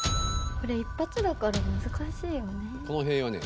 これ一発だからむずかしいよね。